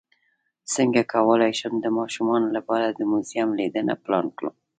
څنګه کولی شم د ماشومانو لپاره د موزیم لیدنه پلان کړم